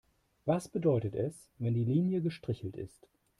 Was bedeutet es, wenn die Linie gestrichelt ist?